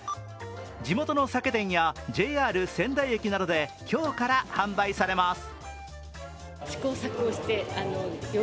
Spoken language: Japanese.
地元の酒店やＪＲ仙台駅などで今日から販売されます。